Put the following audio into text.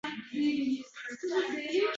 Kechqurun Ermon buvaning ayvoniga to‘plandik.